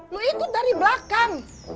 lu ikut dari belakang